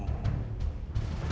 tapi aku tidak mau mengajakmu